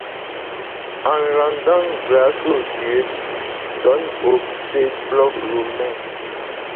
En rendant grâce aux dieux, donne au peuple romain